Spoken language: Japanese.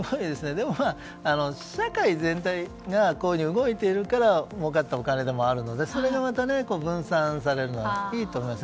でも社会全体が動いているからもうかったお金でもあるのでそれがまた分散されるのはいいと思います。